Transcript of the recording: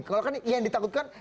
kalau kan yang ditakutkan